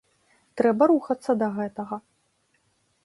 Трэба рухацца да гэтага.